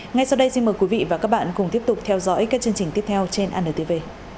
ngay sau đây xin mời quý vị và các bạn cùng tiếp tục theo dõi các chương trình tiếp theo trên antv